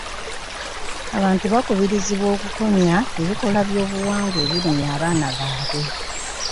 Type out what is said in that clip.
Abantu bakubirizibwa okukomya ebikolwa byobuwangwa ebirumya abaana baabwe.